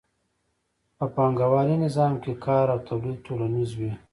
په پانګوالي نظام کې کار او تولید ټولنیز وي